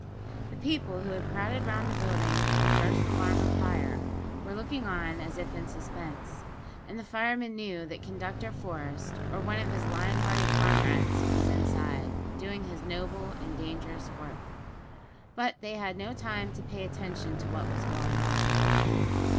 The people who had crowded round the building at the first alarm of fire, were looking on as if in suspense, and the firemen knew that Conductor Forest, or one of his lion hearted comrades, was inside, doing his noble and dangerous work. But they had no time to pay attention to what was going on.